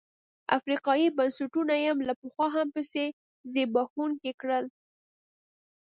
افریقايي بنسټونه یې له پخوا هم پسې زبېښونکي کړل.